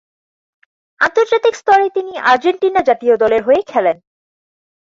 আন্তর্জাতিক স্তরে তিনি আর্জেন্টিনা জাতীয় দলের হয়ে খেলেন।